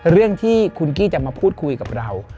เรื่องที่คุณกี้จะมาพูดคุยกับเรา